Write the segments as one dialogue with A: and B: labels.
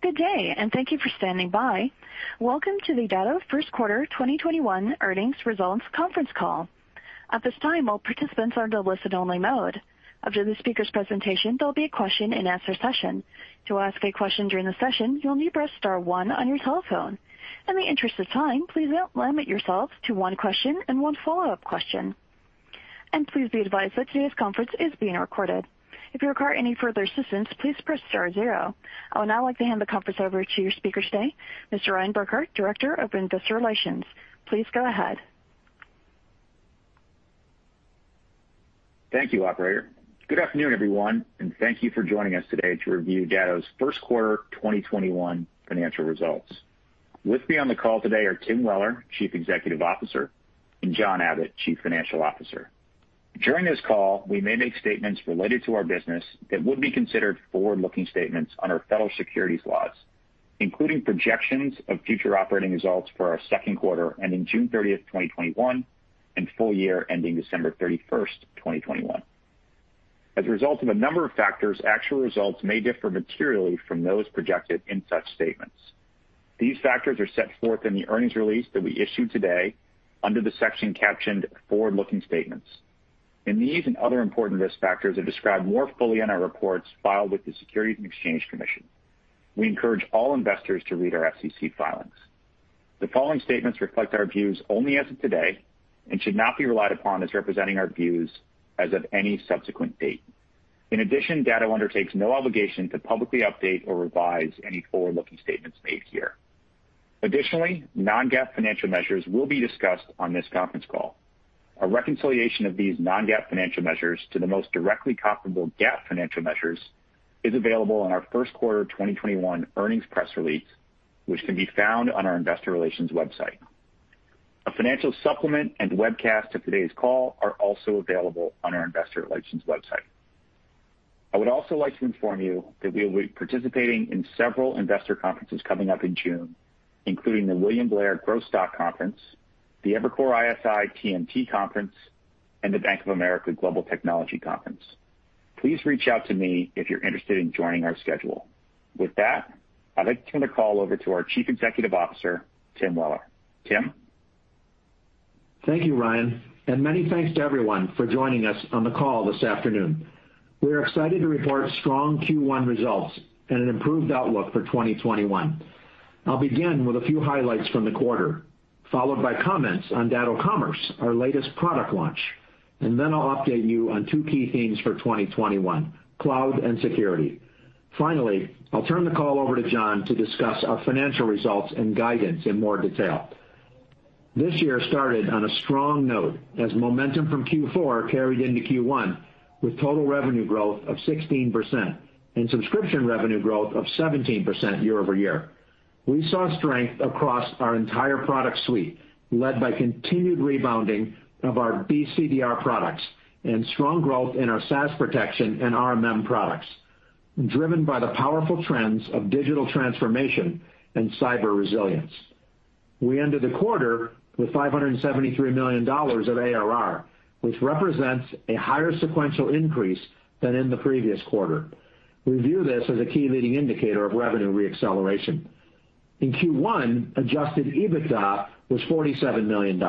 A: Good day, and thank you for standing by. Welcome to the Datto First Quarter 2021 Earnings Results Conference Call. At this time, all participants are in the listen only mode. After the speaker's presentation, there'll be a question and answer session. To ask a question during the session, you'll need to press star one on your telephone. In the interest of time, please limit yourself to one question and one follow-up question. Please be advised that today's conference is being recorded. If you require any further assistance, please press star zero. I would now like to hand the conference over to your speaker today, Mr. Ryan Burkart, Director of Investor Relations. Please go ahead.
B: Thank you, operator. Good afternoon, everyone, and thank you for joining us today to review Datto's first quarter 2021 financial results. With me on the call today are Tim Weller, Chief Executive Officer, and John Abbot, Chief Financial Officer. During this call, we may make statements related to our business that would be considered forward-looking statements under federal securities laws, including projections of future operating results for our second quarter ending June 30, 2021, and full year ending December 31, 2021. As a result of a number of factors, actual results may differ materially from those projected in such statements. These factors are set forth in the earnings release that we issued today under the section captioned Forward Looking Statements. These and other important risk factors are described more fully in our reports filed with the Securities and Exchange Commission. We encourage all investors to read our SEC filings. The following statements reflect our views only as of today and should not be relied upon as representing our views as of any subsequent date. In addition, Datto undertakes no obligation to publicly update or revise any forward-looking statements made here. Additionally, non-GAAP financial measures will be discussed on this conference call. A reconciliation of these non-GAAP financial measures to the most directly comparable GAAP financial measures is available in our first quarter 2021 earnings press release, which can be found on our investor relations website. A financial supplement and webcast of today's call are also available on our investor relations website. I would also like to inform you that we will be participating in several investor conferences coming up in June, including the William Blair Growth Stock Conference, the Evercore ISI TMT Conference, and the Bank of America Global Technology Conference. Please reach out to me if you're interested in joining our schedule. With that, I'd like to turn the call over to our Chief Executive Officer, Tim Weller. Tim?
C: Thank you, Ryan Burkart, and many thanks to everyone for joining us on the call this afternoon. We are excited to report strong Q1 results and an improved outlook for 2021. I'll begin with a few highlights from the quarter, followed by comments on Datto Commerce, our latest product launch, and then I'll update you on two key themes for 2021, cloud and security. Finally, I'll turn the call over to John Abbot to discuss our financial results and guidance in more detail. This year started on a strong note as momentum from Q4 carried into Q1, with total revenue growth of 16% and subscription revenue growth of 17% year-over-year. We saw strength across our entire product suite, led by continued rebounding of our BCDR products and strong growth in our Datto SaaS Protection and Datto RMM products, driven by the powerful trends of digital transformation and cyber resilience. We ended the quarter with $573 million of ARR, which represents a higher sequential increase than in the previous quarter. We view this as a key leading indicator of revenue re-acceleration. In Q1, adjusted EBITDA was $47 million,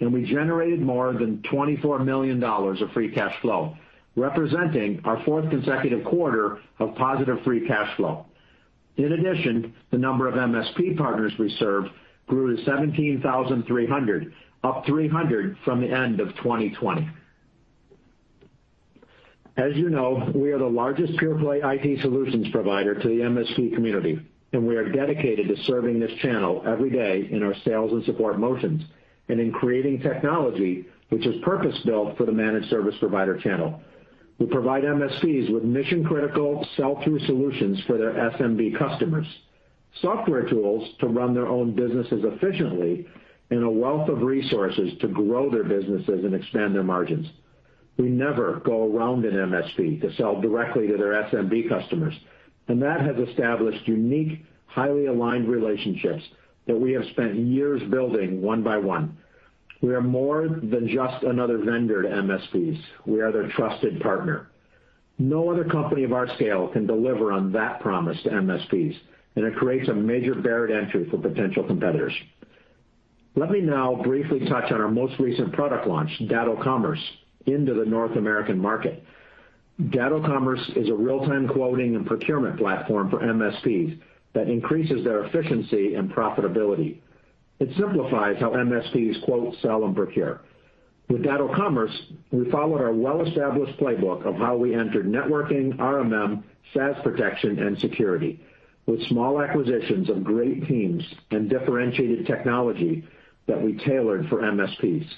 C: and we generated more than $24 million of free cash flow, representing our fourth consecutive quarter of positive free cash flow. In addition, the number of MSP partners we serve grew to 17,300, up 300 from the end of 2020. As you know, we are the largest pure play IT solutions provider to the MSP community, and we are dedicated to serving this channel every day in our sales and support motions and in creating technology which is purpose-built for the managed service provider channel. We provide MSPs with mission-critical sell-through solutions for their SMB customers, software tools to run their own businesses efficiently, and a wealth of resources to grow their businesses and expand their margins. We never go around an MSP to sell directly to their SMB customers. That has established unique, highly aligned relationships that we have spent years building one by one. We are more than just another vendor to MSPs. We are their trusted partner. No other company of our scale can deliver on that promise to MSPs. It creates a major barrier to entry for potential competitors. Let me now briefly touch on our most recent product launch, Datto Commerce, into the North American market. Datto Commerce is a real-time quoting and procurement platform for MSPs that increases their efficiency and profitability. It simplifies how MSPs quote, sell, and procure. With Datto Commerce, we followed our well-established playbook of how we entered networking, RMM, SaaS Protection, and security, with small acquisitions of great teams and differentiated technology that we tailored for MSPs.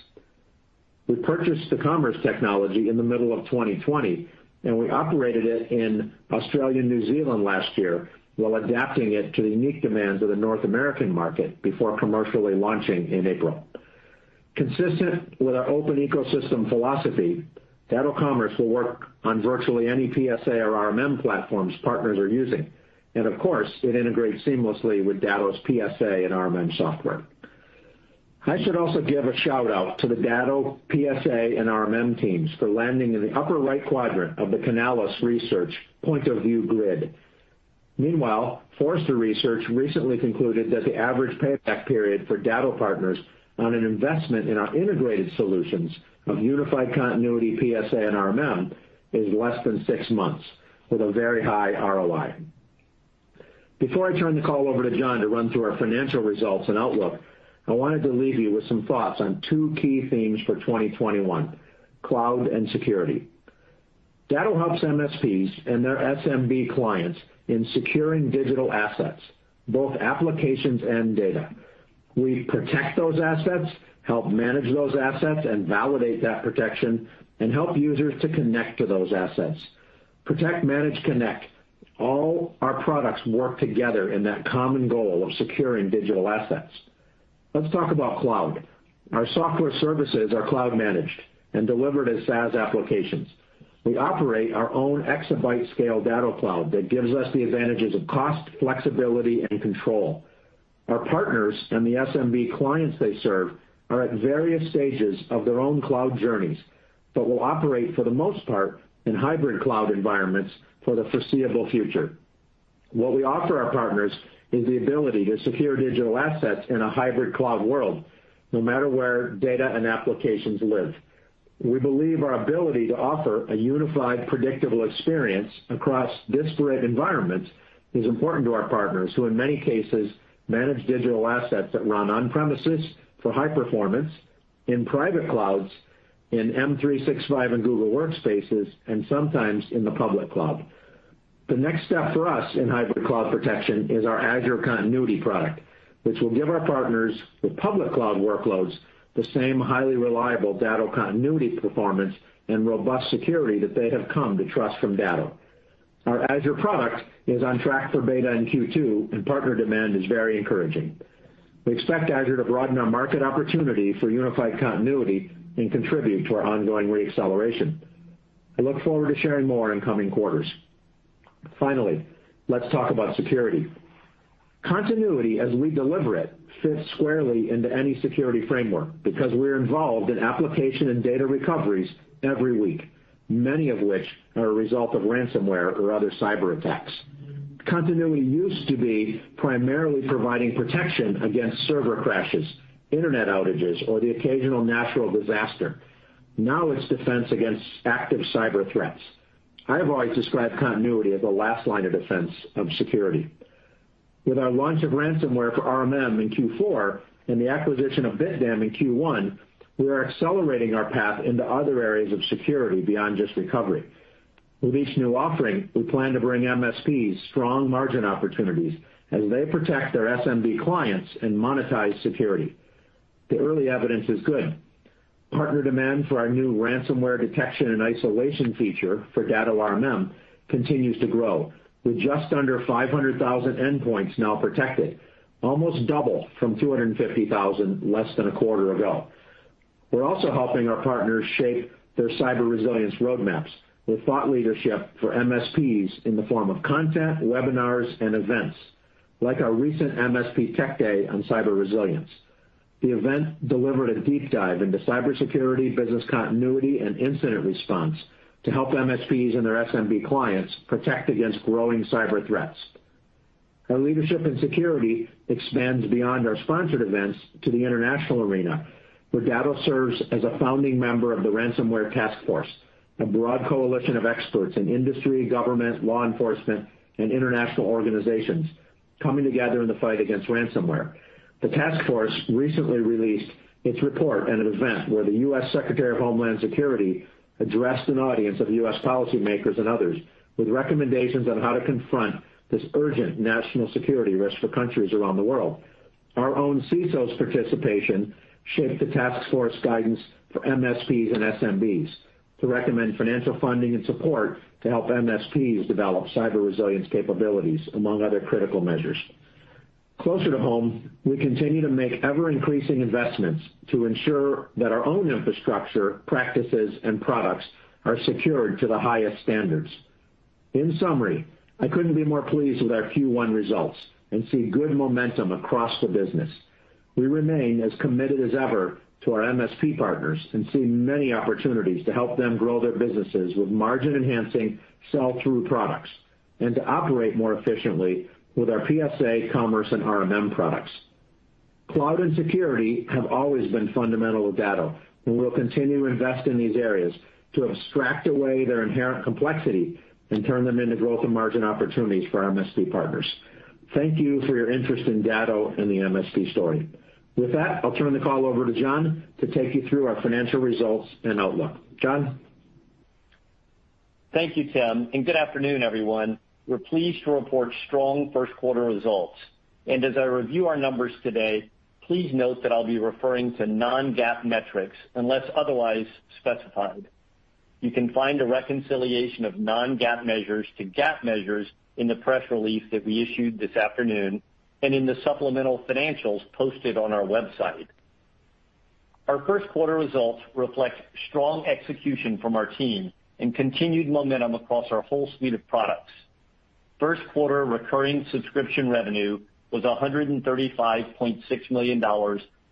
C: We purchased the Commerce technology in the middle of 2020, we operated it in Australia and New Zealand last year while adapting it to the unique demands of the North American market before commercially launching in April. Consistent with our open ecosystem philosophy, Datto Commerce will work on virtually any PSA or RMM platforms partners are using. Of course, it integrates seamlessly with Datto's PSA and RMM software. I should also give a shout-out to the Datto PSA and RMM teams for landing in the upper right quadrant of the Canalys Research Point of View Grid. Meanwhile, Forrester Research recently concluded that the average payback period for Datto partners on an investment in our integrated solutions of Unified Continuity, PSA, and RMM is less than six months, with a very high ROI. Before I turn the call over to John to run through our financial results and outlook, I wanted to leave you with some thoughts on two key themes for 2021, cloud and security. Datto helps MSPs and their SMB clients in securing digital assets, both applications and data. We protect those assets, help manage those assets, and validate that protection, and help users to connect to those assets. Protect, manage, connect. All our products work together in that common goal of securing digital assets. Let's talk about cloud. Our software services are cloud managed and delivered as SaaS applications. We operate our own exabyte scale Datto Cloud that gives us the advantages of cost, flexibility, and control. Our partners and the SMB clients they serve are at various stages of their own cloud journeys, will operate for the most part in hybrid cloud environments for the foreseeable future. What we offer our partners is the ability to secure digital assets in a hybrid cloud world, no matter where data and applications live. We believe our ability to offer a unified, predictable experience across disparate environments is important to our partners, who in many cases manage digital assets that run on premises for high performance, in private clouds, in M365 and Google Workspace, and sometimes in the public cloud. The next step for us in hybrid cloud protection is our Azure continuity product, which will give our partners with public cloud workloads the same highly reliable Datto continuity performance and robust security that they have come to trust from Datto. Our Azure product is on track for beta in Q2, and partner demand is very encouraging. We expect Azure to broaden our market opportunity for Unified Continuity and contribute to our ongoing re-acceleration. I look forward to sharing more in coming quarters. Finally, let's talk about security. Continuity as we deliver it fits squarely into any security framework because we're involved in application and data recoveries every week, many of which are a result of ransomware or other cyber attacks. Continuity used to be primarily providing protection against server crashes, internet outages, or the occasional natural disaster. Now it's defense against active cyber threats. I have always described continuity as the last line of defense of security. With our launch of ransomware for RMM in Q4 and the acquisition of BitDam in Q1, we are accelerating our path into other areas of security beyond just recovery. With each new offering, we plan to bring MSPs strong margin opportunities as they protect their SMB clients and monetize security. The early evidence is good. Partner demand for our new ransomware detection and isolation feature for Datto RMM continues to grow, with just under 500,000 endpoints now protected, almost double from 250,000 less than a quarter ago. We're also helping our partners shape their cyber resilience roadmaps with thought leadership for MSPs in the form of content, webinars, and events, like our recent MSP Technology Day on cyber resilience. The event delivered a deep dive into cybersecurity, business continuity, and incident response to help MSPs and their SMB clients protect against growing cyber threats. Our leadership in security expands beyond our sponsored events to the international arena, where Datto serves as a founding member of the Ransomware Task Force, a broad coalition of experts in industry, government, law enforcement, and international organizations coming together in the fight against ransomware. The task force recently released its report at an event where the U.S. Secretary of Homeland Security addressed an audience of U.S. policymakers and others with recommendations on how to confront this urgent national security risk for countries around the world. Our own CISO's participation shaped the task force guidance for MSPs and SMBs to recommend financial funding and support to help MSPs develop cyber resilience capabilities, among other critical measures. Closer to home, we continue to make ever-increasing investments to ensure that our own infrastructure, practices, and products are secured to the highest standards. In summary, I couldn't be more pleased with our Q1 results and see good momentum across the business. We remain as committed as ever to our MSP partners and see many opportunities to help them grow their businesses with margin-enhancing sell-through products and to operate more efficiently with our PSA, Commerce, and RMM products. Cloud and security have always been fundamental to Datto, and we'll continue to invest in these areas to abstract away their inherent complexity and turn them into growth and margin opportunities for our MSP partners. Thank you for your interest in Datto and the MSP story. With that, I'll turn the call over to John to take you through our financial results and outlook. John?
D: Thank you, Tim. Good afternoon, everyone. We're pleased to report strong first quarter results. As I review our numbers today, please note that I'll be referring to non-GAAP metrics unless otherwise specified. You can find a reconciliation of non-GAAP measures to GAAP measures in the press release that we issued this afternoon and in the supplemental financials posted on our website. Our first quarter results reflect strong execution from our team and continued momentum across our whole suite of products. First quarter recurring subscription revenue was $135.6 million,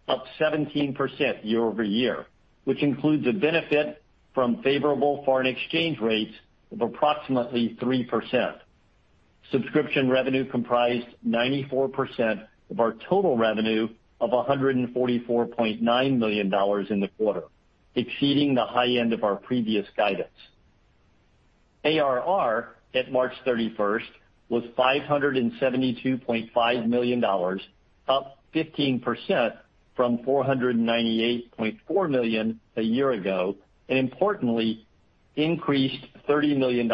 D: up 17% year-over-year, which includes a benefit from favorable foreign exchange rates of approximately 3%. Subscription revenue comprised 94% of our total revenue of $144.9 million in the quarter, exceeding the high end of our previous guidance. ARR at March 31st was $572.5 million, up 15% from $498.4 million a year ago, and importantly, increased $30 million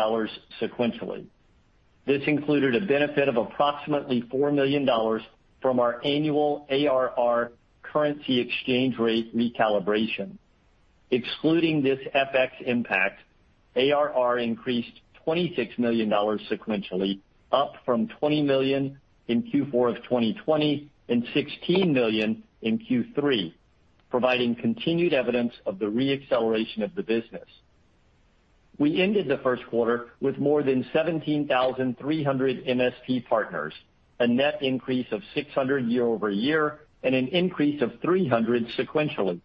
D: sequentially. This included a benefit of approximately $4 million from our annual ARR currency exchange rate recalibration. Excluding this FX impact, ARR increased $26 million sequentially, up from $20 million in Q4 of 2020 and $16 million in Q3, providing continued evidence of the re-acceleration of the business. We ended the first quarter with more than 17,300 MSP partners, a net increase of 600 year-over-year. An increase of 300 sequentially.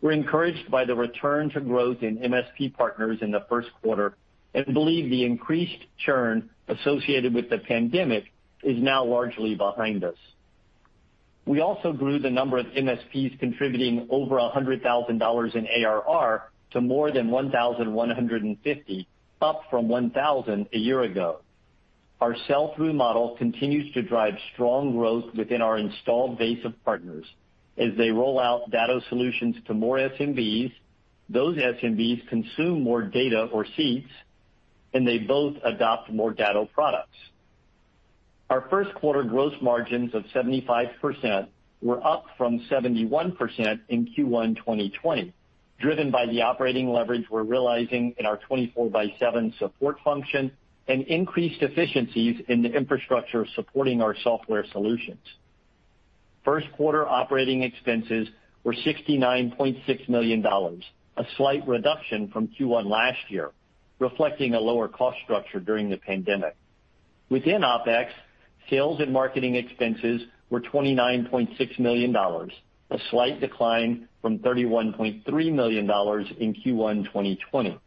D: We're encouraged by the return to growth in MSP partners in the first quarter and believe the increased churn associated with the pandemic is now largely behind us. We also grew the number of MSPs contributing over $100,000 in ARR to more than 1,150, up from 1,000 a year ago. Our sell-through model continues to drive strong growth within our installed base of partners. As they roll out Datto solutions to more SMBs, those SMBs consume more data or seats, and they both adopt more Datto products. Our first quarter gross margins of 75% were up from 71% in Q1 2020, driven by the operating leverage we're realizing in our 24/7 support function and increased efficiencies in the infrastructure supporting our software solutions. First quarter operating expenses were $69.6 million, a slight reduction from Q1 last year, reflecting a lower cost structure during the pandemic. Within OpEx, sales and marketing expenses were $29.6 million, a slight decline from $31.3 million in Q1 2020.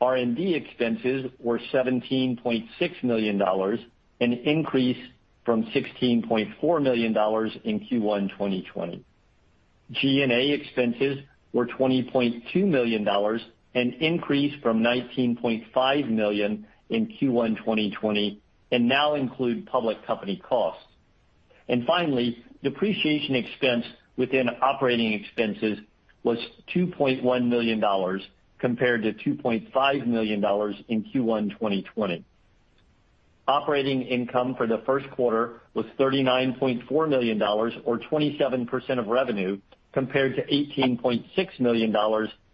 D: R&D expenses were $17.6 million, an increase from $16.4 million in Q1 2020. G&A expenses were $20.2 million, an increase from $19.5 million in Q1 2020, and now include public company costs. Finally, depreciation expense within operating expenses was $2.1 million compared to $2.5 million in Q1 2020. Operating income for the first quarter was $39.4 million or 27% of revenue, compared to $18.6 million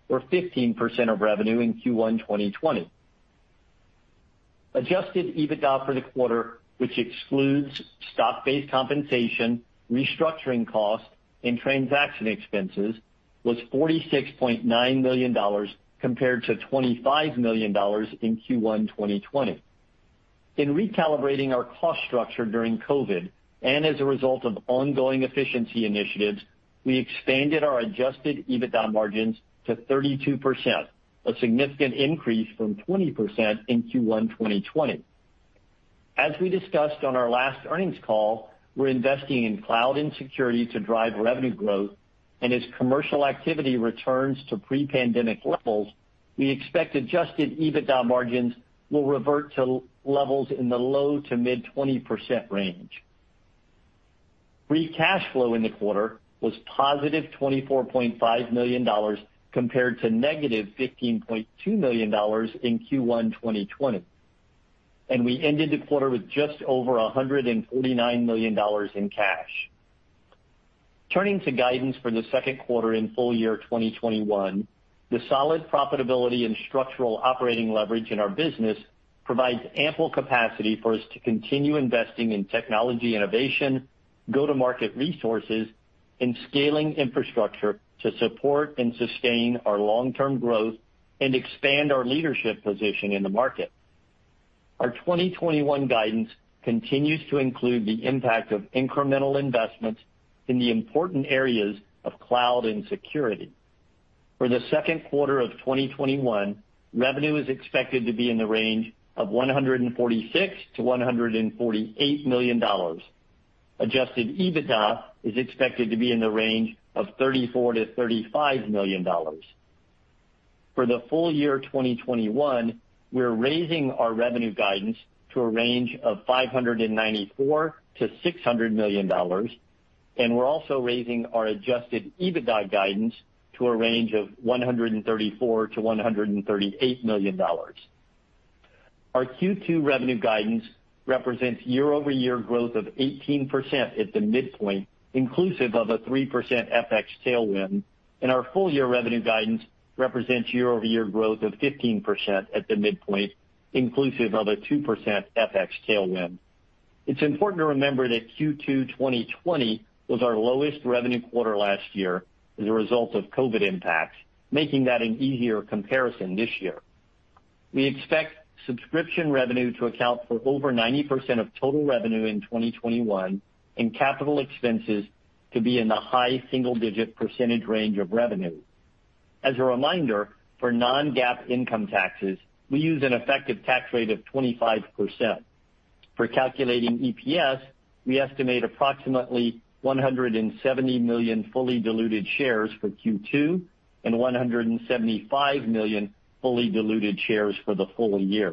D: or 15% of revenue in Q1 2020. Adjusted EBITDA for the quarter, which excludes stock-based compensation, restructuring costs, and transaction expenses, was $46.9 million, compared to $25 million in Q1 2020. In recalibrating our cost structure during COVID, and as a result of ongoing efficiency initiatives, we expanded our adjusted EBITDA margins to 32%, a significant increase from 20% in Q1 2020. As we discussed on our last earnings call, we're investing in cloud and security to drive revenue growth, and as commercial activity returns to pre-pandemic levels, we expect adjusted EBITDA margins will revert to levels in the low to mid-20% range. Free cash flow in the quarter was positive $24.5 million compared to negative $15.2 million in Q1 2020, and we ended the quarter with just over $149 million in cash. Turning to guidance for the second quarter and full year 2021. The solid profitability and structural operating leverage in our business provides ample capacity for us to continue investing in technology innovation, go-to-market resources, and scaling infrastructure to support and sustain our long-term growth and expand our leadership position in the market. Our 2021 guidance continues to include the impact of incremental investments in the important areas of cloud and security. For the second quarter of 2021, revenue is expected to be in the range of $146 million-$148 million. Adjusted EBITDA is expected to be in the range of $34 million-$35 million. For the full year 2021, we're raising our revenue guidance to a range of $594 million-$600 million, and we're also raising our adjusted EBITDA guidance to a range of $134 million-$138 million. Our Q2 revenue guidance represents year-over-year growth of 18% at the midpoint, inclusive of a 3% FX tailwind. Our full year revenue guidance represents year-over-year growth of 15% at the midpoint, inclusive of a 2% FX tailwind. It's important to remember that Q2 2020 was our lowest revenue quarter last year as a result of COVID impacts, making that an easier comparison this year. We expect subscription revenue to account for over 90% of total revenue in 2021, and capital expenses to be in the high single-digit percentage range of revenue. As a reminder, for non-GAAP income taxes, we use an effective tax rate of 25%. For calculating EPS, we estimate approximately 170 million fully diluted shares for Q2, and 175 million fully diluted shares for the full year.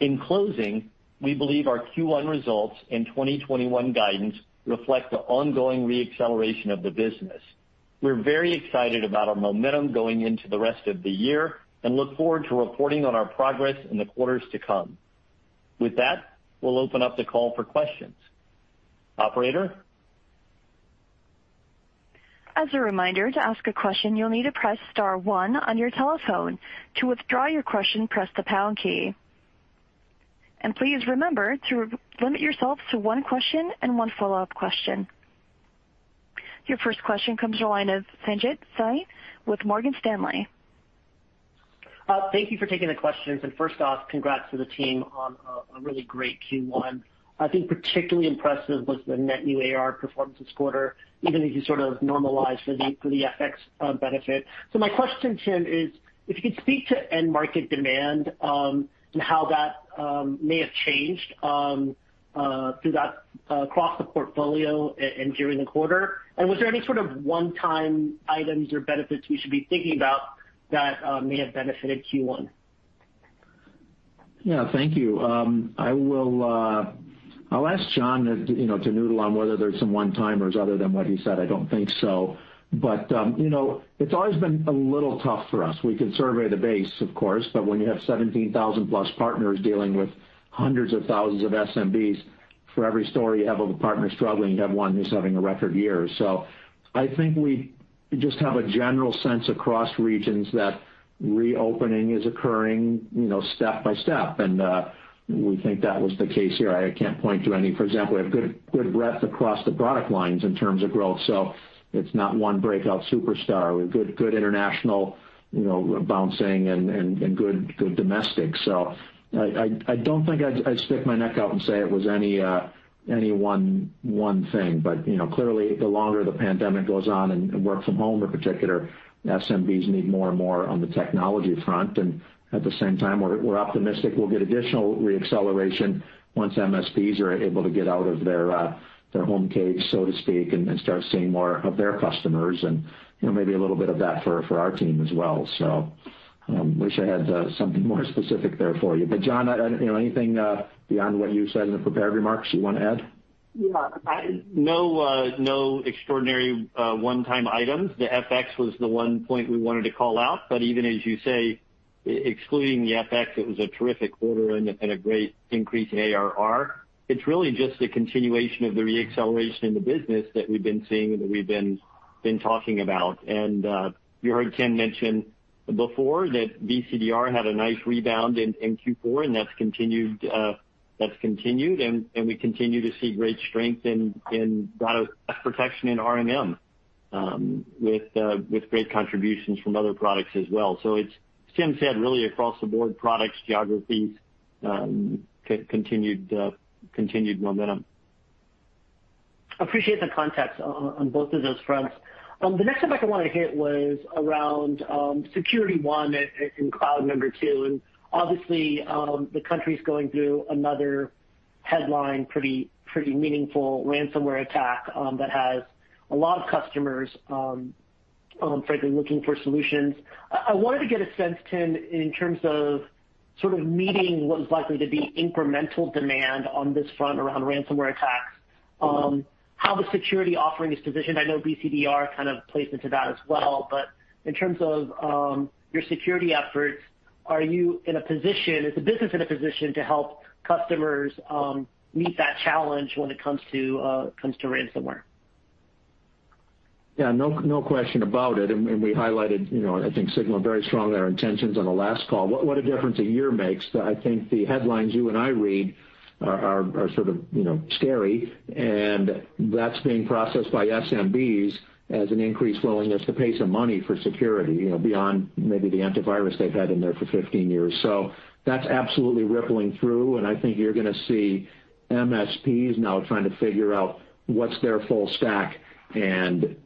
D: In closing, we believe our Q1 results and 2021 guidance reflect the ongoing re-acceleration of the business. We're very excited about our momentum going into the rest of the year, and look forward to reporting on our progress in the quarters to come. With that, we'll open up the call for questions. Operator?
A: Your first question comes the line of Sanjit Singh with Morgan Stanley.
E: Thank you for taking the questions. First off, congrats to the team on a really great Q1. I think particularly impressive was the net new ARR performance this quarter, even as you sort of normalize for the FX benefit. My question, Tim, is if you could speak to end market demand, and how that may have changed through that across the portfolio, and during the quarter. Was there any sort of one-time items or benefits we should be thinking about that may have benefited Q1?
C: Yeah. Thank you. I'll ask John to noodle on whether there's some one-timers. Other than what he said, I don't think so. It's always been a little tough for us. We can survey the base, of course, but when you have 17,000+ partners dealing with hundreds of thousands of SMBs, for every story you have of a partner struggling, you have one who's having a record year. I think we just have a general sense across regions that reopening is occurring step by step. We think that was the case here. I can't point to any. For example, we have good breadth across the product lines in terms of growth. It's not one breakout superstar. We have good international bouncing and good domestic. I don't think I'd stick my neck out and say it was any one thing. Clearly, the longer the pandemic goes on, and work from home in particular, SMBs need more and more on the technology front. At the same time, we're optimistic we'll get additional re-acceleration once MSPs are able to get out of their home cage, so to speak, and start seeing more of their customers, and maybe a little bit of that for our team as well. Wish I had something more specific there for you. John, anything beyond what you said in the prepared remarks you want to add?
D: No extraordinary one-time items. The FX was the one point we wanted to call out, but even as you say, excluding the FX, it was a terrific quarter and a great increase in ARR. It's really just a continuation of the re-acceleration in the business that we've been seeing, and that we've been talking about. You heard Tim Weller mention before that BCDR had a nice rebound in Q4, and that's continued, and we continue to see great strength in Datto protection in RMM, with great contributions from other products as well. It's, Tim Weller said, really across the board, products, geographies, continued momentum.
E: Appreciate the context on both of those fronts. The next topic I want to hit was around security, one and cloud number two, and obviously, the country's going through another headline, pretty meaningful ransomware attack, that has a lot of customers frankly looking for solutions. I wanted to get a sense, Tim, in terms of sort of meeting what is likely to be incremental demand on this front around ransomware attacks, how the security offering is positioned. I know BCDR kind of plays into that as well, but in terms of your security efforts, are you in a position, is the business in a position to help customers meet that challenge when it comes to ransomware?
C: Yeah. No question about it. We highlighted, I think signaled very strongly our intentions on the last call. What a difference a year makes. I think the headlines you and I read are sort of scary, and that's being processed by SMBs as an increased willingness to pay some money for security, beyond maybe the antivirus they've had in there for 15 years. That's absolutely rippling through, and I think you're going to see MSPs now trying to figure out what's their full stack, and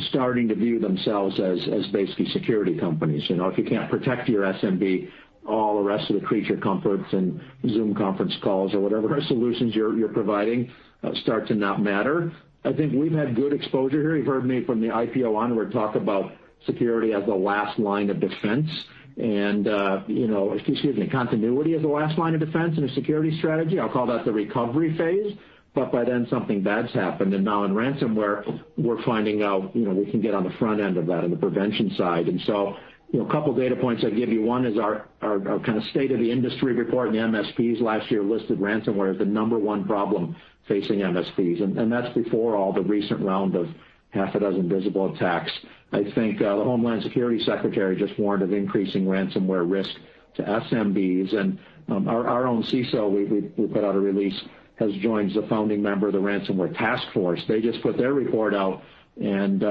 C: starting to view themselves as basically security companies. If you can't protect your SMB, all the rest of the creature comforts and Zoom conference calls or whatever other solutions you're providing start to not matter. I think we've had good exposure here. You've heard me from the IPO onward talk about security as the last line of defense, and, excuse me, continuity as the last line of defense in a security strategy. I'll call that the recovery phase. By then something bad's happened. Now in ransomware, we're finding out we can get on the front end of that on the prevention side. A couple data points I'd give you. One is our kind of state of the industry report, and MSPs last year listed ransomware as the number one problem facing MSPs, and that's before all the recent round of half a dozen visible attacks. I think the Homeland Security secretary just warned of increasing ransomware risk. To SMBs, and our own CISO, we put out a release, has joined as a founding member of the Ransomware Task Force. They just put their report out and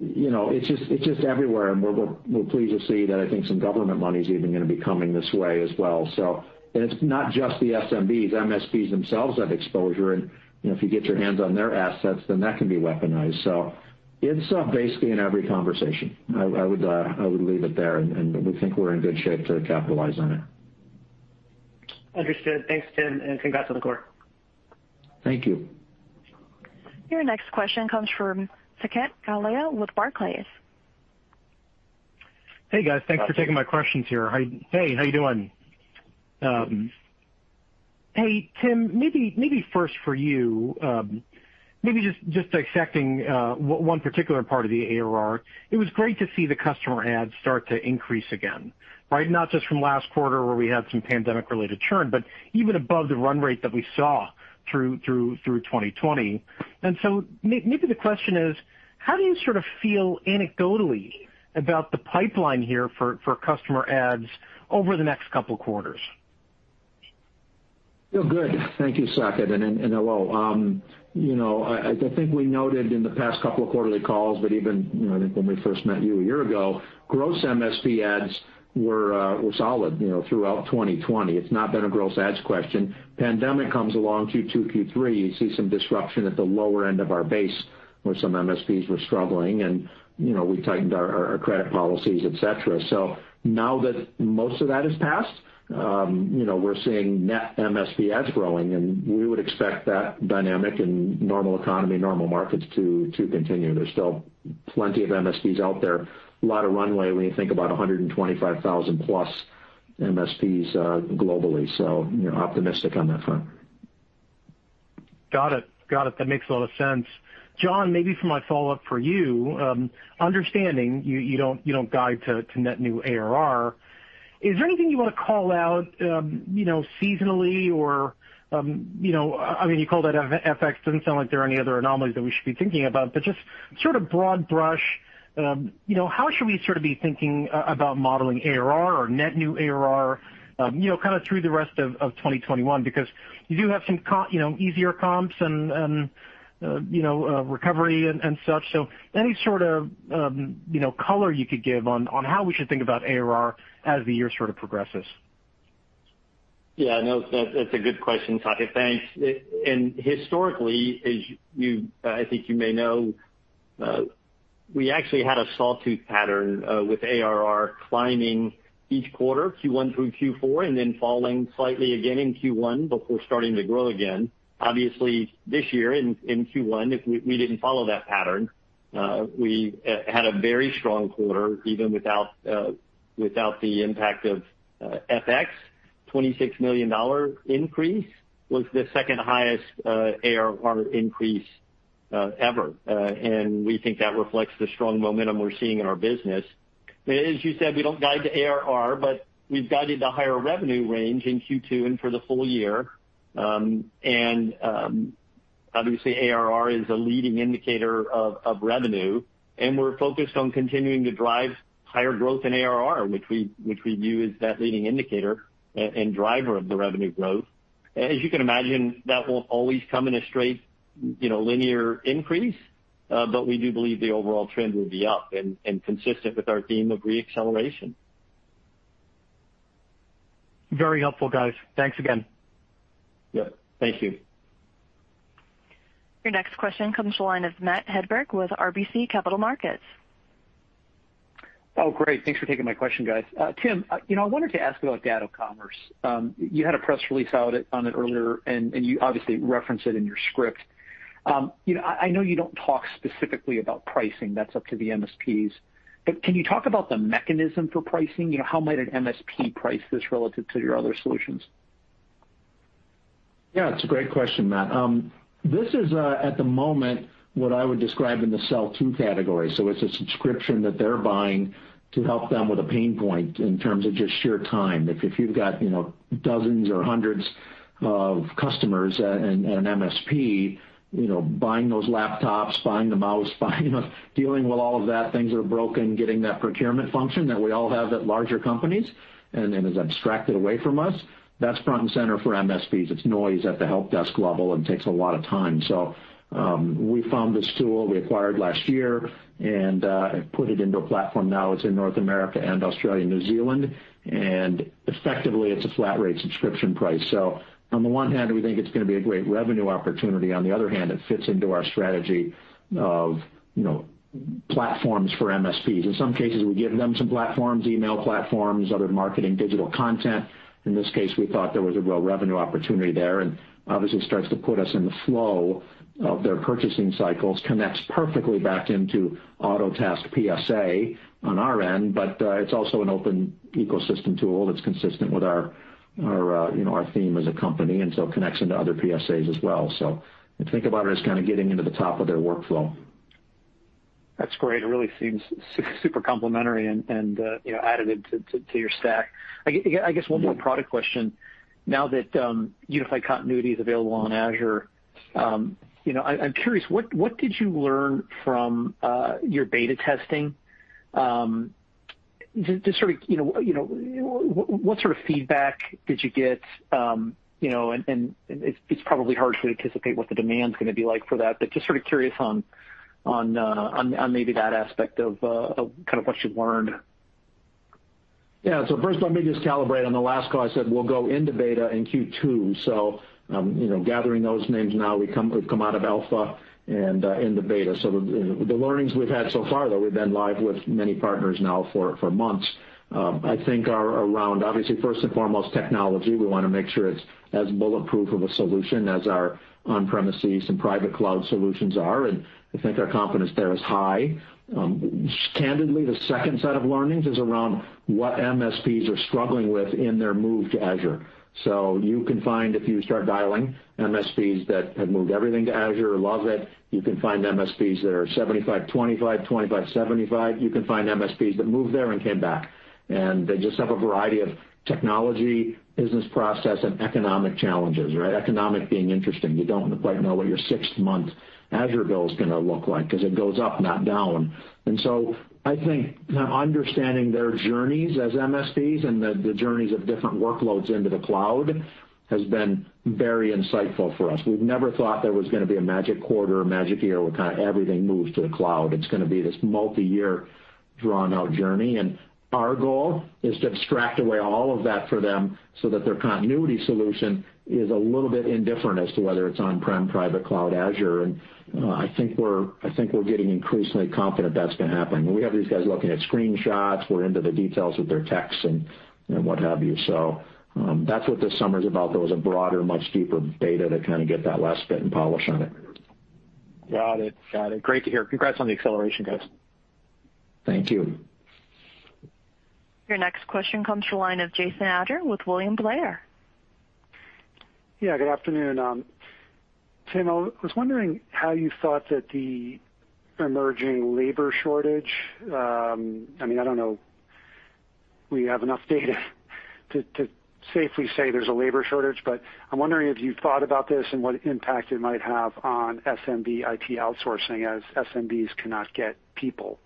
C: it's just everywhere, and we're pleased to see that I think some government money's even going to be coming this way as well. It's not just the SMBs, MSPs themselves have exposure and, if you get your hands on their assets, then that can be weaponized. It's basically in every conversation. I would leave it there, and we think we're in good shape to capitalize on it.
E: Understood. Thanks, Tim, and congrats on the quarter.
C: Thank you.
A: Your next question comes from Saket Kalia with Barclays.
F: Hey, guys. Thanks for taking my questions here. Hey, how you doing.
C: Good.
F: Hey, Tim, maybe first for you. Maybe just accepting one particular part of the ARR. It was great to see the customer adds start to increase again, right? Not just from last quarter where we had some pandemic-related churn, but even above the run rate that we saw through 2020. Maybe the question is, how do you sort of feel anecdotally about the pipeline here for customer adds over the next couple of quarters?
C: Feel good. Thank you, Saket. Hello. I think we noted in the past couple of quarterly calls, even, I think when we first met you a year ago, gross MSP adds were solid throughout 2020. It's not been a gross adds question. Pandemic comes along Q2, Q3, you see some disruption at the lower end of our base where some MSPs were struggling, we tightened our credit policies, et cetera. Now that most of that has passed, we're seeing net MSP adds growing, we would expect that dynamic in normal economy, normal markets, to continue. There's still plenty of MSPs out there. A lot of runway when you think about 125,000+ MSPs globally. Optimistic on that front.
F: Got it. That makes a lot of sense. John, maybe for my follow-up for you, understanding you don't guide to net new ARR, is there anything you want to call out seasonally or, I mean, you called out FX. Doesn't sound like there are any other anomalies that we should be thinking about. Just sort of broad brush, how should we sort of be thinking about modeling ARR or net new ARR kind of through the rest of 2021? You do have some easier comps and recovery and such. Any sort of color you could give on how we should think about ARR as the year sort of progresses.
D: Yeah, no, that's a good question, Saket, thanks. Historically, I think you may know, we actually had a sawtooth pattern, with ARR climbing each quarter, Q1 through Q4, and then falling slightly again in Q1 before starting to grow again. This year in Q1, we didn't follow that pattern. We had a very strong quarter, even without the impact of FX. $26 million increase was the second highest ARR increase ever. We think that reflects the strong momentum we're seeing in our business. As you said, we don't guide to ARR, but we've guided the higher revenue range in Q2 and for the full year. Obviously ARR is a leading indicator of revenue, and we're focused on continuing to drive higher growth in ARR, which we view as that leading indicator and driver of the revenue growth. As you can imagine, that won't always come in a straight linear increase. We do believe the overall trend will be up and consistent with our theme of re-acceleration.
F: Very helpful, guys. Thanks again.
D: Yeah. Thank you.
A: Your next question comes to the line of Matthew Hedberg with RBC Capital Markets.
G: Oh, great. Thanks for taking my question, guys. Tim, I wanted to ask about Datto Commerce. You had a press release out on it earlier, and you obviously reference it in your script. I know you don't talk specifically about pricing, that's up to the MSPs, but can you talk about the mechanism for pricing? How might an MSP price this relative to your other solutions?
C: It's a great question, Matt. This is, at the moment, what I would describe in the sell-to category. It's a subscription that they're buying to help them with a pain point in terms of just sheer time. If you've got dozens or hundreds of customers, an MSP buying those laptops, buying the mouse, buying the dealing with all of that, things that are broken, getting that procurement function that we all have at larger companies, and is abstracted away from us, that's front and center for MSPs. It's noise at the help desk level and takes a lot of time. We found this tool we acquired last year and put it into a platform. Now it's in North America and Australia, New Zealand, and effectively it's a flat rate subscription price. On the one hand, we think it's going to be a great revenue opportunity. It fits into our strategy of platforms for MSPs. In some cases, we give them some platforms, email platforms, other marketing, digital content. In this case, we thought there was a real revenue opportunity there, obviously starts to put us in the flow of their purchasing cycles. Connects perfectly back into Autotask PSA on our end, it's also an open ecosystem tool that's consistent with our theme as a company, connects into other PSAs as well. Think about it as kind of getting into the top of their workflow.
G: That's great. It really seems super complementary and additive to your stack. I guess one more product question. Now that Unified Continuity is available on Azure, I'm curious, what did you learn from your beta testing? What sort of feedback did you get? It's probably hard to anticipate what the demand's going to be like for that, but just sort of curious on maybe that aspect of kind of what you've learned?
C: Yeah. First, let me just calibrate. On the last call, I said we'll go into beta in Q2, gathering those names now, we've come out of alpha and into beta. The learnings we've had so far, though we've been live with many partners now for months, I think are around, obviously, first and foremost, technology. We want to make sure it's as bulletproof of a solution as our on-premises and private cloud solutions are, and I think our confidence there is high. Candidly, the second set of learnings is around what MSPs are struggling with in their move to Azure. You can find, if you start dialing MSPs that have moved everything to Azure, love it. You can find MSPs that are 75/25, 25/75. You can find MSPs that moved there and came back, and they just have a variety of technology, business process, and economic challenges, right? Economic being interesting. You don't quite know what your sixth-month Azure bill's gonna look like because it goes up, not down. I think understanding their journeys as MSPs and the journeys of different workloads into the cloud has been very insightful for us. We've never thought there was gonna be a magic quarter or magic year where kind of everything moves to the cloud. It's gonna be this multi-year, drawn-out journey. Our goal is to abstract away all of that for them so that their continuity solution is a little bit indifferent as to whether it's on-prem, private cloud, Azure. I think we're getting increasingly confident that's gonna happen. We have these guys looking at screenshots. We're into the details of their techs and what have you. That's what this summer's about, though, is a broader, much deeper beta to kind of get that last bit and polish on it.
G: Got it. Great to hear. Congrats on the acceleration, guys.
C: Thank you.
A: Your next question comes from the line of Jason Ader with William Blair.
H: Yeah. Good afternoon. Tim, I was wondering how you thought that the emerging labor shortage, I don't know we have enough data to safely say there's a labor shortage, I'm wondering if you thought about this and what impact it might have on SMB IT outsourcing, as SMBs cannot get people.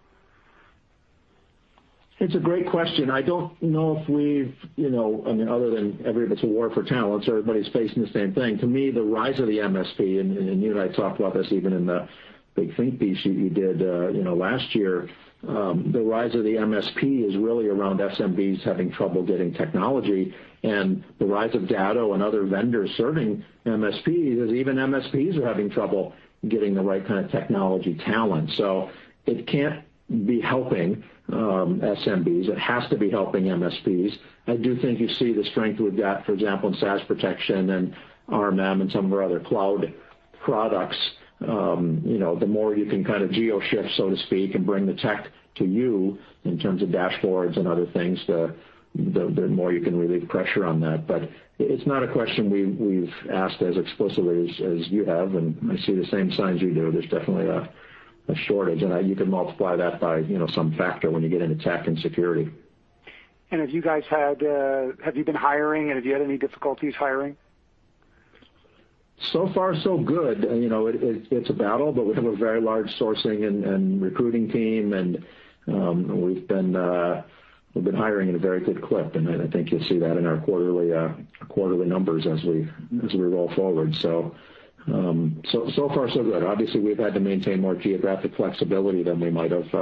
C: It's a great question. I don't know if we've, other than everybody's at war for talent, so everybody's facing the same thing. To me, the rise of the MSP, and you and I talked about this even in the big think piece you did last year, the rise of the MSP is really around SMBs having trouble getting technology, and the rise of Datto and other vendors serving MSPs, as even MSPs are having trouble getting the right kind of technology talent. It can't be helping SMBs. It has to be helping MSPs. I do think you see the strength we've got, for example, in SaaS Protection and RMM and some of our other cloud products. The more you can kind of geo-shift, so to speak, and bring the tech to you in terms of dashboards and other things, the more you can relieve pressure on that. It's not a question we've asked as explicitly as you have, and I see the same signs you do. There's definitely a shortage, and you can multiply that by some factor when you get into tech and security.
H: Have you guys been hiring, and have you had any difficulties hiring?
C: So far so good. It's a battle, but we have a very large sourcing and recruiting team, and we've been hiring at a very good clip, and I think you'll see that in our quarterly numbers as we roll forward. So far so good. Obviously, we've had to maintain more geographic flexibility than we might have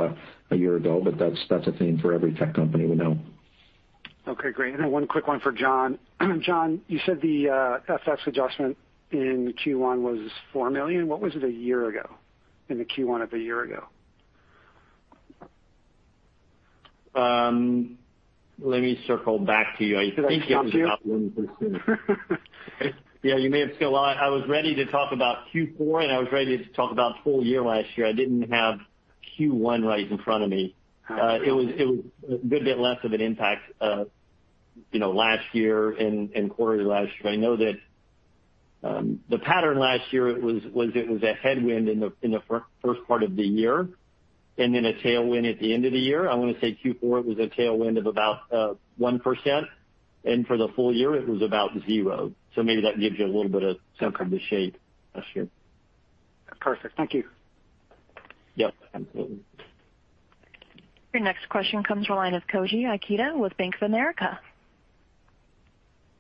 C: a year ago, but that's a theme for every tech company we know.
H: Okay, great. Then one quick one for John. John, you said the FX adjustment in Q1 was $4 million. What was it a year ago, in the Q1 of a year ago?
D: Let me circle back to you.
H: Should I just help you?
D: Yeah, you may have to. I was ready to talk about Q4, and I was ready to talk about full year last year. I didn't have Q1 right in front of me.
H: Okay.
D: It was a good bit less of an impact last year, in quarterly last year. I know that the pattern last year was it was a headwind in the first part of the year and then a tailwind at the end of the year. I want to say Q4 was a tailwind of about 1%, and for the full year, it was about zero. Maybe that gives you.
H: Okay
D: the shape last year.
H: Perfect. Thank you.
D: Yep, absolutely.
A: Your next question comes from the line of Koji Ikeda with Bank of America.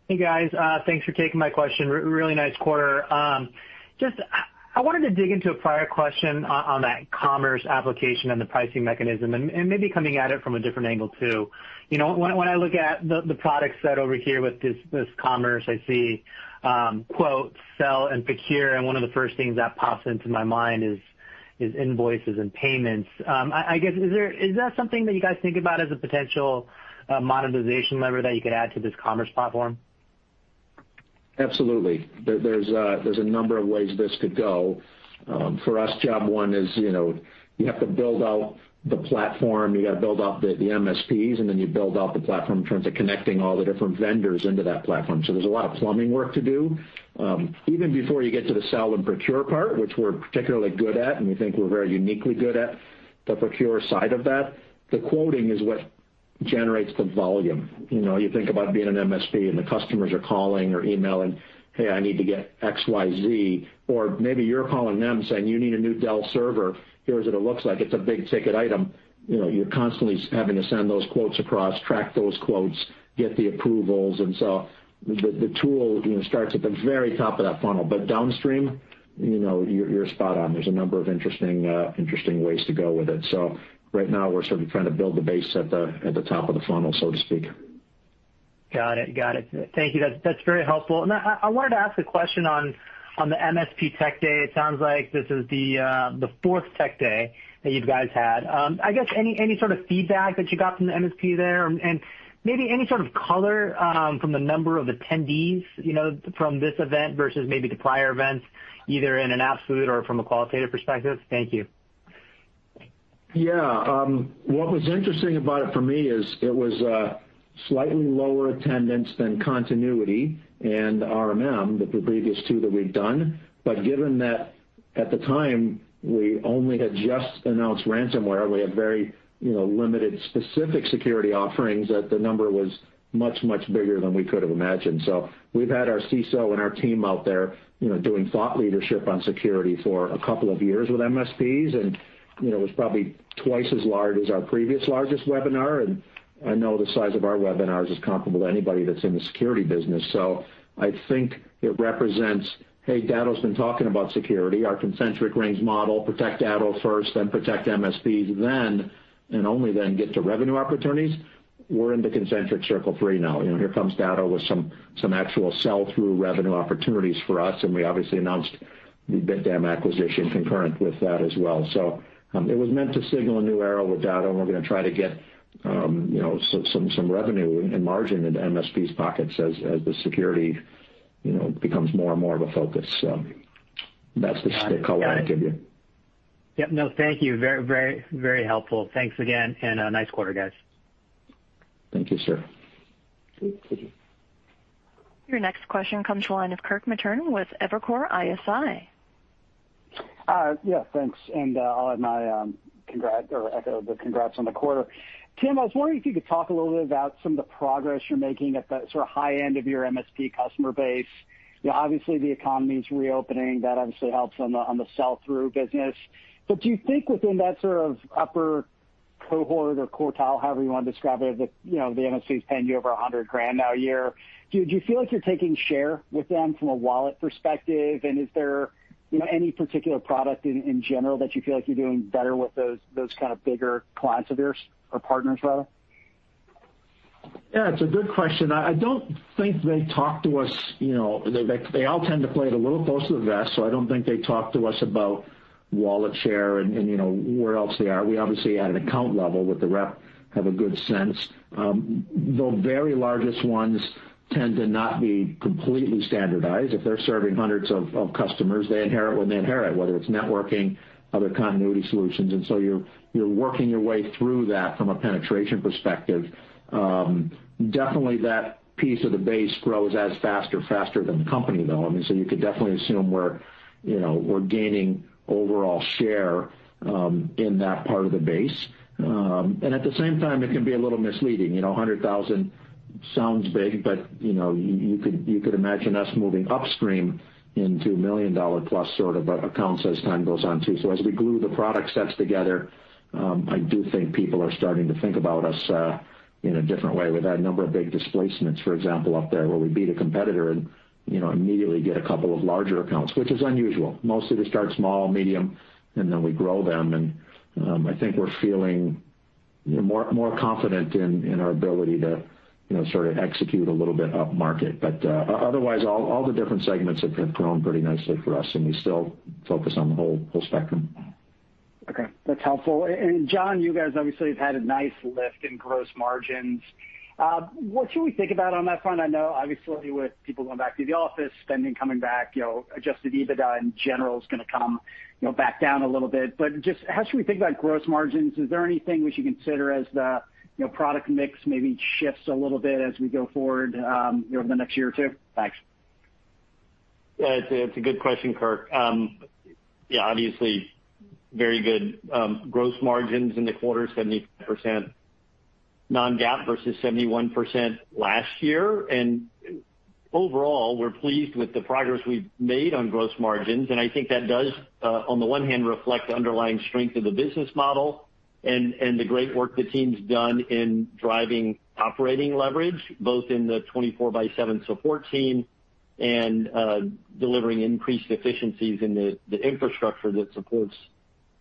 I: Hey, guys. Thanks for taking my question. Really nice quarter. I wanted to dig into a prior question on that Datto Commerce application and the pricing mechanism, and maybe coming at it from a different angle, too. When I look at the product set over here with this Datto Commerce, I see quotes, sell, and procure, and one of the first things that pops into my mind is invoices and payments. Is that something that you guys think about as a potential monetization lever that you could add to this Datto Commerce platform?
C: Absolutely. There's a number of ways this could go. For us, job one is you have to build out the platform, you got to build out the MSPs, and then you build out the platform in terms of connecting all the different vendors into that platform. There's a lot of plumbing work to do. Even before you get to the sell and procure part, which we're particularly good at. We think we're very uniquely good at the procure side of that, the quoting is what generates the volume. You think about being an MSP. The customers are calling or emailing, "Hey, I need to get XYZ." Maybe you're calling them saying, "You need a new Dell server. Here's what it looks like." It's a big-ticket item. You're constantly having to send those quotes across, track those quotes, get the approvals. The tool starts at the very top of that funnel. Downstream, you're spot on. There's a number of interesting ways to go with it. Right now, we're sort of trying to build the base at the top of the funnel, so to speak.
I: Got it. Thank you. That's very helpful. I wanted to ask a question on the MSP Technology Day. It sounds like this is the fourth Tech Day that you guys had. Any sort of feedback that you got from the MSP there? Maybe any sort of color from the number of attendees from this event versus maybe the prior events, either in an absolute or from a qualitative perspective? Thank you.
C: What was interesting about it for me is it was a slightly lower attendance than Continuity and RMM, the previous two that we've done. Given that, at the time, we only had just announced ransomware, we have very limited specific security offerings, that the number was much, much bigger than we could've imagined. We've had our CISO and our team out there doing thought leadership on security for a couple of years with MSPs, and it was probably twice as large as our previous largest webinar. I know the size of our webinars is comparable to anybody that's in the security business. I think it represents, hey, Datto's been talking about security, our concentric rings model, protect Datto first, then protect MSPs, then, and only then, get to revenue opportunities. We're in the concentric circle three now. Here comes Datto with some actual sell-through revenue opportunities for us, and we obviously announced the BitDam acquisition concurrent with that as well. It was meant to signal a new era with Datto, and we're going to try to get some revenue and margin into MSP's pockets as the security becomes more and more of a focus. That's the color I'd give you.
I: Got it. Yep, no, thank you. Very helpful. Thanks again, and a nice quarter, guys.
C: Thank you, sir.
A: Your next question comes from the line of Kirk Materne with Evercore ISI.
J: Yeah, thanks. I'll add my congrats, or echo the congrats on the quarter. Tim, I was wondering if you could talk a little bit about some of the progress you're making at the sort of high end of your MSP customer base. Obviously, the economy's reopening. That obviously helps on the sell-through business. Do you think within that sort of upper cohort or quartile, however you want to describe it, the MSPs paying you over $100,000 now a year, do you feel like you're taking share with them from a wallet perspective? Is there any particular product in general that you feel like you're doing better with those kind of bigger clients of yours or partners, rather?
C: Yeah, it's a good question. I don't think they talk to us. They all tend to play it a little close to the vest. I don't think they talk to us about wallet share and where else they are. We obviously, at an account level with the rep, have a good sense. The very largest ones tend to not be completely standardized. If they're serving hundreds of customers, they inherit what they inherit, whether it's networking, other continuity solutions. You're working your way through that from a penetration perspective. Definitely, that piece of the base grows as fast or faster than the company, though. I mean, you could definitely assume we're gaining overall share in that part of the base. At the same time, it can be a little misleading. 100,000 sounds big, but you could imagine us moving upstream into million-dollar plus sort of accounts as time goes on, too. As we glue the product sets together, I do think people are starting to think about us in a different way. We've had a number of big displacements, for example, up there where we beat a competitor and immediately get a couple of larger accounts, which is unusual. Mostly we start small, medium, and then we grow them, and I think we're feeling more confident in our ability to sort of execute a little bit upmarket. Otherwise, all the different segments have grown pretty nicely for us, and we still focus on the whole spectrum.
J: Okay. That's helpful. John, you guys obviously have had a nice lift in gross margins. What should we think about on that front? I know obviously with people going back to the office, spending coming back, Adjusted EBITDA in general is going to come back down a little bit. Just how should we think about gross margins? Is there anything we should consider as the product mix maybe shifts a little bit as we go forward over the next year or two? Thanks.
D: It's a good question, Kirk. Obviously very good gross margins in the quarter, 75% non-GAAP versus 71% last year. Overall, we're pleased with the progress we've made on gross margins. I think that does, on the one hand, reflect the underlying strength of the business model and the great work the team's done in driving operating leverage, both in the 24 by 7 support team and delivering increased efficiencies in the infrastructure that supports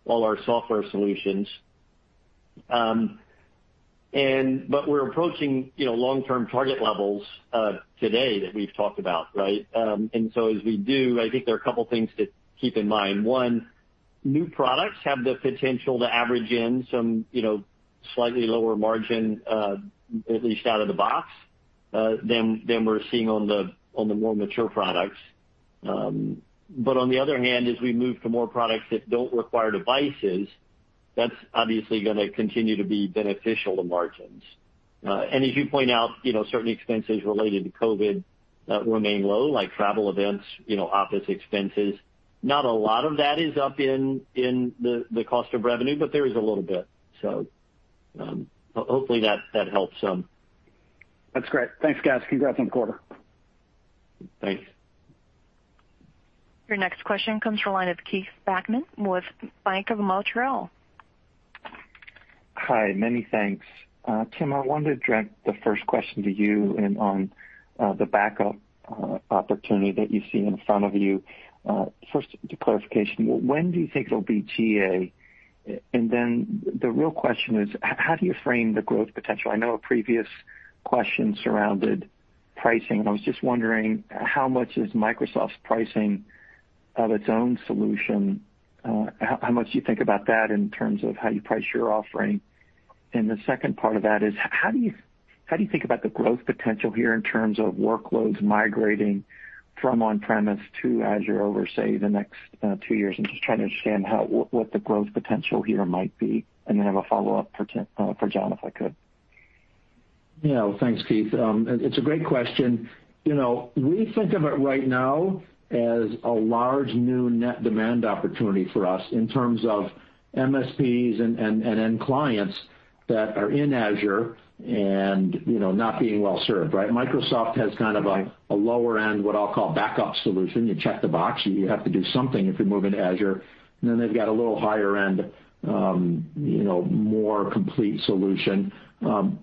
D: all our software solutions. We're approaching long-term target levels today that we've talked about, right? As we do, I think there are a couple things to keep in mind. One, new products have the potential to average in some slightly lower margin, at least out of the box, than we're seeing on the more mature products. On the other hand, as we move to more products that don't require devices, that's obviously going to continue to be beneficial to margins. As you point out, certain expenses related to COVID remain low, like travel events, office expenses. Not a lot of that is up in the cost of revenue, but there is a little bit. Hopefully that helps.
J: That's great. Thanks, guys. Congrats on the quarter.
D: Thanks.
A: Your next question comes from the line of Keith Bachman with Bank of Montreal.
K: Hi. Many thanks. Tim, I wanted to direct the first question to you on the backup opportunity that you see in front of you. First, just a clarification, when do you think it'll be GA? Then the real question is, how do you frame the growth potential? I know a previous question surrounded pricing, and I was just wondering how much is Microsoft's pricing of its own solution, how much do you think about that in terms of how you price your offering? The second part of that is, how do you think about the growth potential here in terms of workloads migrating from on-premise to Azure over, say, the next two years? I'm just trying to understand what the growth potential here might be. Then I have a follow-up for John, if I could.
C: Yeah. Thanks, Keith. It's a great question. We think of it right now as a large new net demand opportunity for us in terms of MSPs and end clients that are in Azure and not being well-served, right? Microsoft has kind of a lower end, what I'll call backup solution. You check the box, you have to do something if you move into Azure. They've got a little higher end, more complete solution.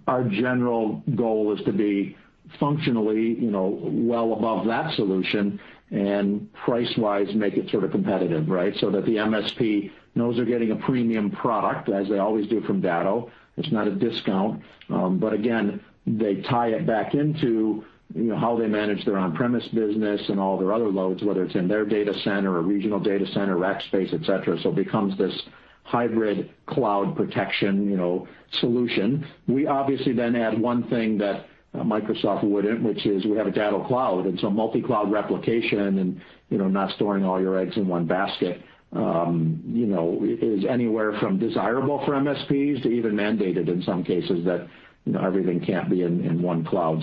C: Our general goal is to be functionally well above that solution and price-wise make it sort of competitive, right? The MSP knows they're getting a premium product, as they always do from Datto. It's not a discount. They tie it back into how they manage their on-premise business and all their other loads, whether it's in their data center or regional data center, Rackspace, et cetera. It becomes this hybrid cloud protection solution. We obviously then add one thing that Microsoft wouldn't, which is we have a Datto Cloud, and so multi-cloud replication and not storing all your eggs in one basket is anywhere from desirable for MSPs to even mandated in some cases that everything can't be in one cloud.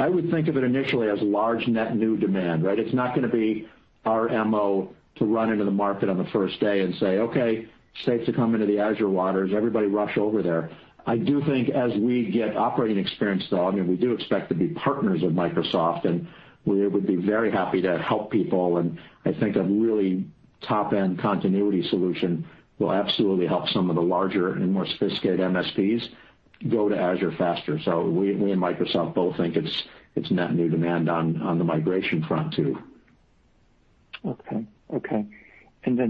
C: I would think of it initially as large net new demand, right? It's not going to be our MO to run into the market on the first day and say, "Okay, it's safe to come into the Azure waters. Everybody rush over there." I do think as we get operating experience, though, we do expect to be partners with Microsoft, and we would be very happy to help people. I think a really top-end continuity solution will absolutely help some of the larger and more sophisticated MSPs go to Azure faster. We and Microsoft both think it's net new demand on the migration front, too.
K: Okay.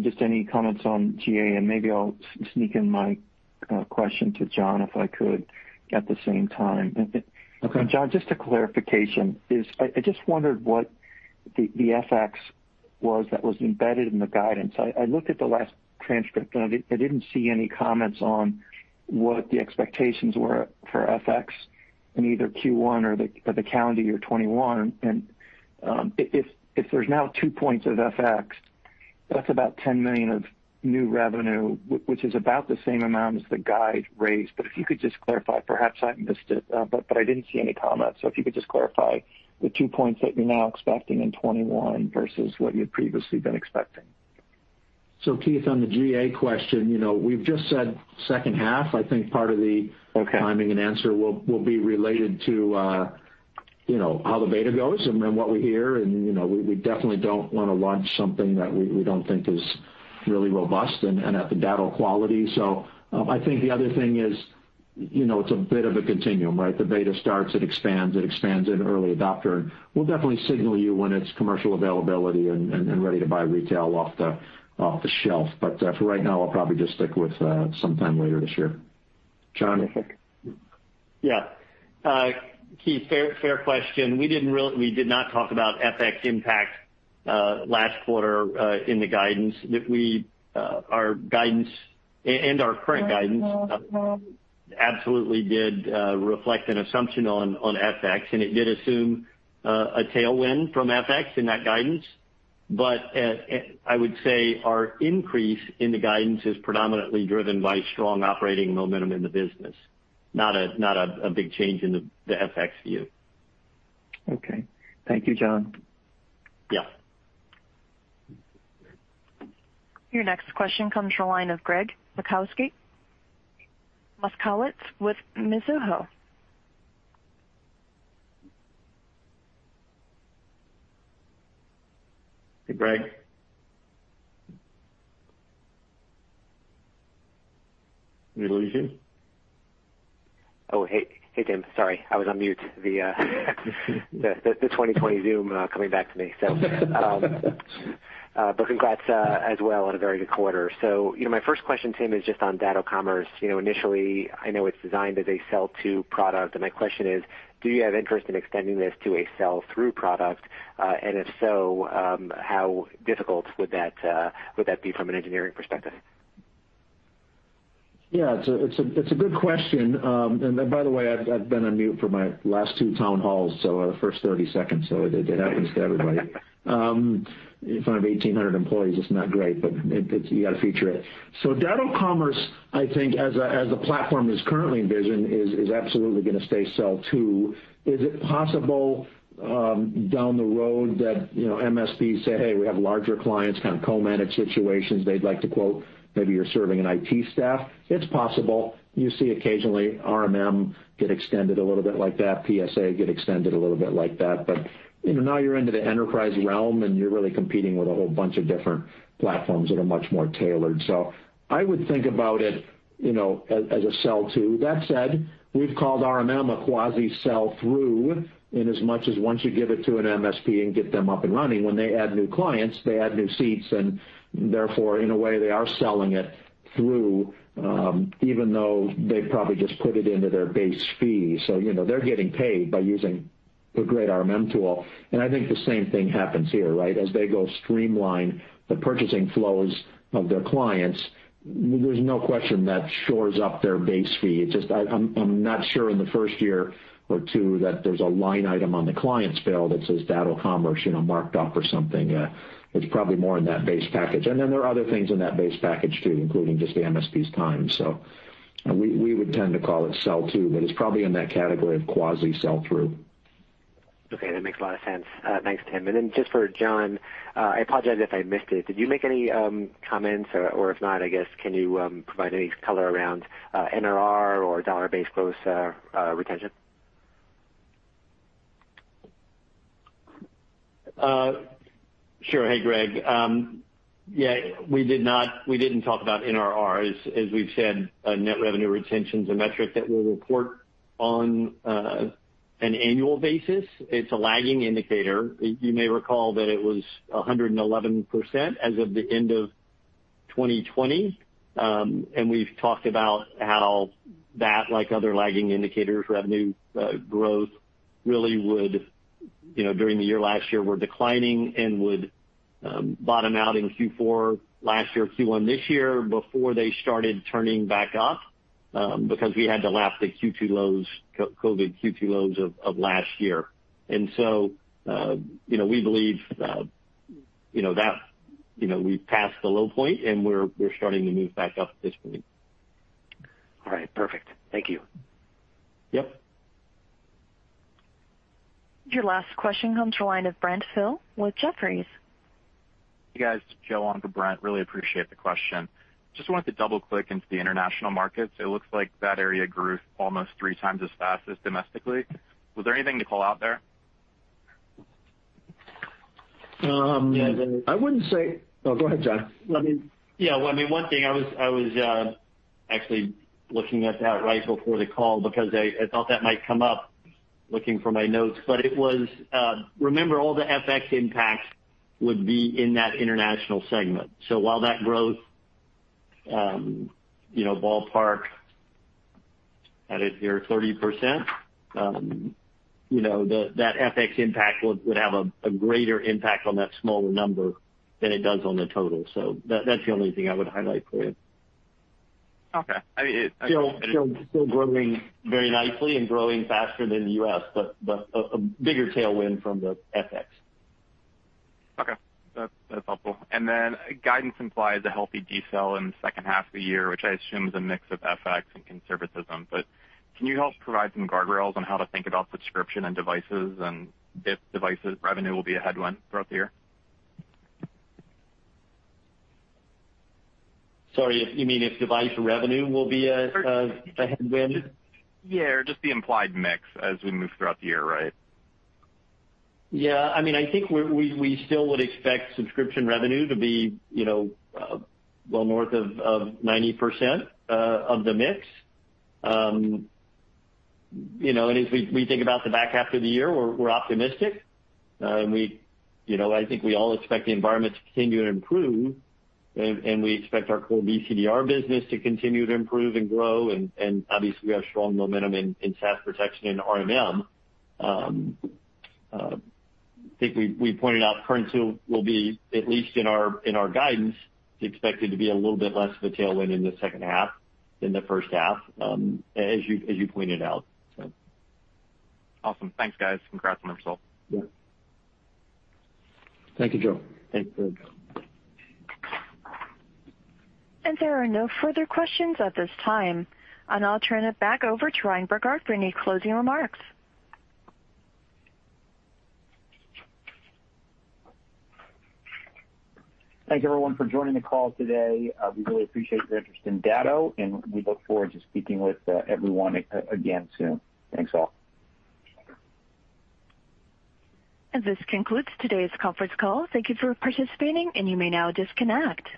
K: Just any comments on GA, and maybe I'll sneak in my question to John Abbot, if I could, at the same time.
C: Okay.
K: John, just a clarification, I just wondered what the FX was that was embedded in the guidance. I looked at the last transcript, I didn't see any comments on what the expectations were for FX in either Q1 or the calendar year 2021. If there's now two points of FX, that's about $10 million of new revenue, which is about the same amount as the guide raised. If you could just clarify, perhaps I missed it, I didn't see any comments. If you could just clarify the two points that you're now expecting in 2021 versus what you'd previously been expecting.
C: Keith, on the GA question, we've just said second half.
K: Okay
C: Timing and answer will be related to how the beta goes and what we hear, we definitely don't want to launch something that we don't think is really robust and at the Datto quality. I think the other thing is, it's a bit of a continuum, right? The beta starts, it expands, it expands in early adopter. We'll definitely signal you when it's commercial availability and ready to buy retail off the shelf. For right now, I'll probably just stick with sometime later this year. John?
D: Keith, fair question. We did not talk about FX impact last quarter in the guidance. Our guidance and our current guidance absolutely did reflect an assumption on FX. It did assume a tailwind from FX in that guidance. I would say our increase in the guidance is predominantly driven by strong operating momentum in the business, not a big change in the FX view.
K: Okay. Thank you, John.
D: Yeah.
A: Your next question comes from the line of Gregg Moskowitz with Mizuho.
C: Hey, Gregg. Did we lose you?
L: Oh, hey, Tim. Sorry, I was on mute. The 2020 Zoom coming back to me. Congrats as well on a very good quarter. My first question, Tim, is just on Datto Commerce. Initially, I know it's designed as a sell-to product, and my question is, do you have interest in extending this to a sell-through product? If so, how difficult would that be from an engineering perspective?
C: Yeah, it's a good question. By the way, I've been on mute for my last two town halls, the first 30 seconds. It happens to everybody. In front of 1,800 employees, it's not great, but you got to feature it. Datto Commerce, I think, as a platform, as currently envisioned, is absolutely going to stay sell-to. Is it possible down the road that MSPs say, "Hey, we have larger clients," kind of co-managed situations they'd like to quote, maybe you're serving an IT staff? It's possible. You see occasionally RMM get extended a little bit like that, PSA get extended a little bit like that. Now you're into the enterprise realm, and you're really competing with a whole bunch of different platforms that are much more tailored. I would think about it as a sell-to. That said, we've called RMM a quasi sell-through, in as much as once you give it to an MSP and get them up and running, when they add new clients, they add new seats, therefore, in a way, they are selling it through, even though they probably just put it into their base fee. They're getting paid by using a great RMM tool. I think the same thing happens here, right? As they go streamline the purchasing flows of their clients, there's no question that shores up their base fee. It's just I'm not sure in the first year or two that there's a line item on the client's bill that says Datto Commerce marked up or something. It's probably more in that base package. There are other things in that base package, too, including just the MSP's time. We would tend to call it sell-to, but it's probably in that category of quasi sell-through.
L: Okay. That makes a lot of sense. Thanks, Tim. Just for John, I apologize if I missed it, did you make any comments, or if not, I guess, can you provide any color around NRR or dollar-based gross retention?
D: Sure. Hey, Gregg. We didn't talk about NRR. As we've said, net revenue retention's a metric that we'll report on an annual basis. It's a lagging indicator. You may recall that it was 111% as of the end of 2020. We've talked about how that, like other lagging indicators, revenue growth really would, during the year last year, were declining and would bottom out in Q4 last year, Q1 this year, before they started turning back up, because we had to lap the Q2 lows, COVID Q2 lows of last year. So, we believe we've passed the low point, and we're starting to move back up at this point.
L: All right. Perfect. Thank you.
D: Yep.
A: Your last question comes from the line of Brent Thill with Jefferies.
M: Hey, guys. It's Joe on for Brent. Really appreciate the question. Just wanted to double-click into the international markets. It looks like that area grew almost 3x as fast as domestically. Was there anything to call out there?
C: Oh, go ahead, John.
D: Yeah. One thing, I was actually looking at that right before the call because I thought that might come up, looking for my notes. Remember, all the FX impacts would be in that international segment. While that growth, ballpark, added your 30%, that FX impact would have a greater impact on that smaller number than it does on the total. That's the only thing I would highlight for you.
M: Okay.
D: Still growing very nicely and growing faster than the U.S., but a bigger tailwind from the FX.
M: Okay. That's helpful. Then guidance implies a healthy decel in the second half of the year, which I assume is a mix of FX and conservatism. Can you help provide some guardrails on how to think about subscription and devices, and if devices revenue will be a headwind throughout the year?
D: Sorry, you mean if device revenue will be a headwind?
M: Yeah, just the implied mix as we move throughout the year, right?
D: Yeah. I think we still would expect subscription revenue to be well north of 90% of the mix. As we think about the back half of the year, we're optimistic. I think we all expect the environment to continue to improve, and we expect our core BCDR business to continue to improve and grow, and obviously, we have strong momentum in SaaS Protection and RMM. I think we pointed out currency will be, at least in our guidance, expected to be a little bit less of a tailwind in the second half than the first half, as you pointed out.
M: Awesome. Thanks, guys. Congrats on the results.
C: Yeah. Thank you, Joe.
D: Thanks, Joe.
A: There are no further questions at this time. I'll turn it back over to Ryan Burkart for any closing remarks.
B: Thanks, everyone, for joining the call today. We really appreciate your interest in Datto, and we look forward to speaking with everyone again soon. Thanks, all.
A: This concludes today's conference call. Thank you for participating, and you may now disconnect.